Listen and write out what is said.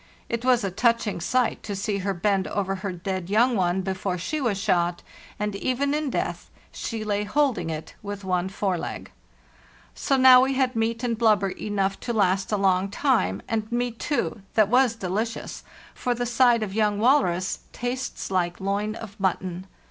It was a touching sight to see her bend over her dead young one before she was shot, and even in death she lay holding it with one fore leg. So now we had meat and blubber enough to last a long time, and meat, too, that was delicious, for the side of young walrus tastes like loin of mutton.